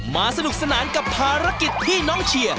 สนุกสนานกับภารกิจที่น้องเชียร์